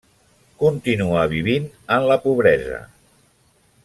Continua vivint en la pobresa.